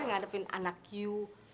nggak depin anak iu